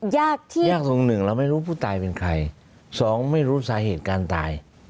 ยากที่ยากตรงหนึ่งเราไม่รู้ผู้ตายเป็นใครสองไม่รู้สาเหตุการตาย